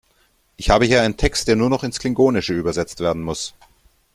Ich habe hier einen Text, der nur noch ins Klingonische übersetzt werden muss.